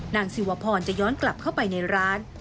นางสิวพรจะย้อนกลับเข้าไปในร้าน